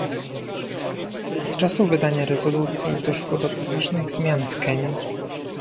Od czasu wydania rezolucji doszło do poważnych zmian w Kenii